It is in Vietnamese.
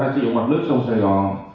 sử dụng mạch lướt sông sài gòn